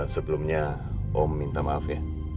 sebelumnya om minta maaf ya